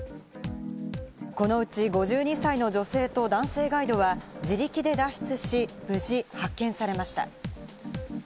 このうち５２歳の女性と男性ガイドは自力で脱出し無事発見されました。